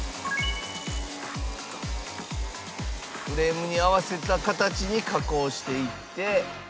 フレームに合わせた形に加工していって。